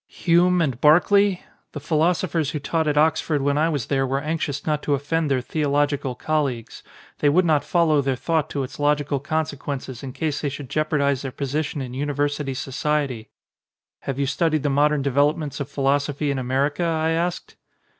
"Hume and Berkeley? The philosophers who taught at Oxford when I was there were anxious not to offend their theological colleagues. They would not follow their thought to its logical con sequences in case they should jeopardise their position in university society. "Have you studied the modern developments of philosophy in America?" I asked.